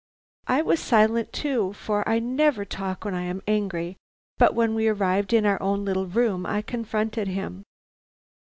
I was silent too, for I never talk when I am angry, but when we arrived in our own little room I confronted him.